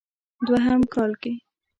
دوهم کال کې